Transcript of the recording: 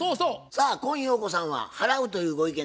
さあ今陽子さんは払うというご意見でございますが？